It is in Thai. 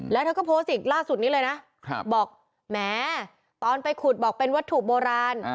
แล้วเธอก็โพสต์อีกล่าสุดนี้เลยนะบอกแหมตอนไปขุดบอกเป็นวัตถุโบราณ